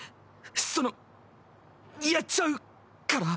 そのやっちゃうから。